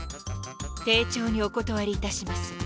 丁重にお断りいたします。